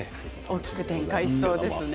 大きく展開しそうです。